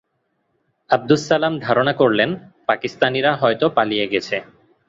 আবদুস সালাম ধারণা করলেন, পাকিস্তানিরা হয়তো পালিয়ে গেছে।